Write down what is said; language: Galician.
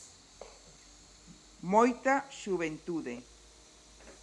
Moita xuventude.